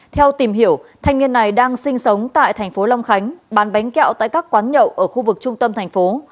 theo tìm hiểu thanh niên này đang sinh sống tại thành phố long khánh bán bánh kẹo tại các quán nhậu ở khu vực trung tâm thành phố